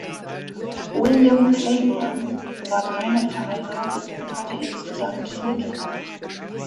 William Claiborne war dreimal verheiratet und hatte insgesamt vier Kinder.